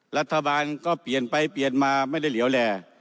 รัฐบาลก็เปลี่ยนไปเปลี่ยนมาไม่ได้เหลวแล